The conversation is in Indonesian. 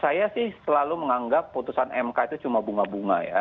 saya sih selalu menganggap putusan mk itu cuma bunga bunga ya